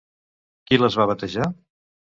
Qui les va batejar?